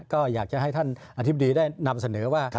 ก็อยากจะให้ท่านอธิบดีได้นำเสนอว่า